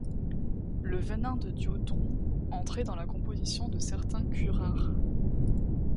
Le venin de diodon entrait dans la composition de certains curares.